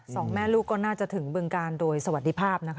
สองแม่ลูกก็น่าจะถึงบึงการโดยสวัสดีภาพนะคะ